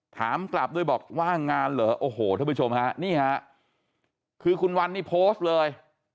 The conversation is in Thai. ถามกลับด้วยบอกว่างงานเหรอโอ้โหท่านผู้ชมฮะนี่ฮะคือคุณวันนี่โพสต์เลย